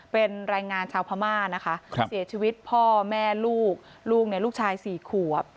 เป็นแรงงานชาวพม่านะคะเสียชีวิตพ่อแม่ลูกลูกลูกชาย๔ขวบ